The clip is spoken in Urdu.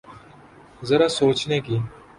ذرا سوچنے کی۔